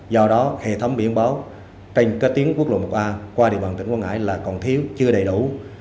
do đó hệ thống biển báo trên các tuyến quốc lộ một a qua địa bàn tỉnh quảng ngãi là còn thiếu chưa đầy đủ